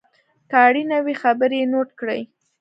که اړینه وي خبرې یې نوټ کړئ.